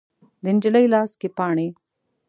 د نجلۍ لاس کې پاڼې